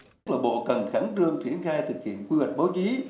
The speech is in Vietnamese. thủ tướng cho rằng bộ cần khẳng trương triển khai thực hiện quy hoạch báo chí